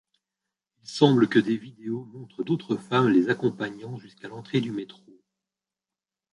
Il semble que des vidéos montrent d'autres femmes les accompagnant jusqu'à l'entrée du métro.